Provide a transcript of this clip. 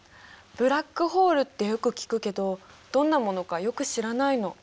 ブラックホールってよく聞くけどどんなものかよく知らないの。